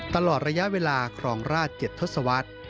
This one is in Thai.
ตลอดระยะเวลาครองราช๗ทศวรรษ